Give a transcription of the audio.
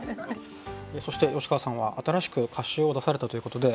そして吉川さんは新しく歌集を出されたということで。